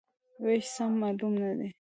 وېش سم معلوم نه دی.